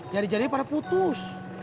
jari jarinya pada putus